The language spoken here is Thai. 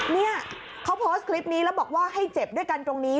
เนี่ยเขาโพสต์คลิปนี้แล้วบอกว่าให้เจ็บด้วยกันตรงนี้